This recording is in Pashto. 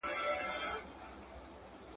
• نر پسه د حلالېدو له پاره دئ.